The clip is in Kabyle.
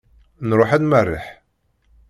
Nruḥ ad nmerreḥ.